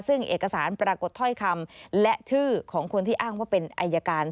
ซึ่งเอกสารปรากฏถ้อยคำและชื่อของคนที่อ้างว่าเป็นอายการ